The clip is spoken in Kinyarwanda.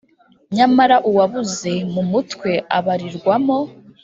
Nyamara uwabuze mu mutwe abarirwamo